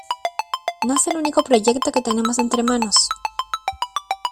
No es el único proyecto que tenemos entre manos.